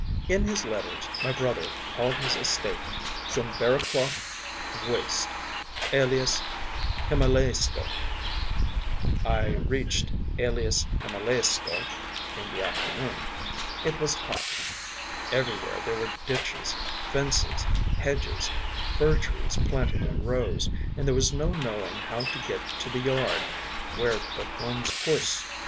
In his letters my brother called his estate ‘Tchumbaroklov Waste, alias Himalaiskoe.’ I reached ‘alias Himalaiskoe’ in the afternoon. It was hot. Everywhere there were ditches, fences, hedges, fir trees planted in rows, and there was no knowing how to get to the yard, where to put one’s horse.